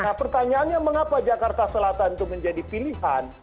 nah pertanyaannya mengapa jakarta selatan itu menjadi pilihan